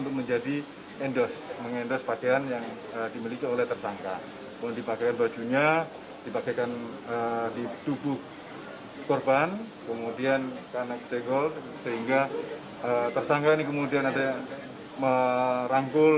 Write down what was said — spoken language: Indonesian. kemudian karena kecegol sehingga tersangka ini kemudian ada yang merangkul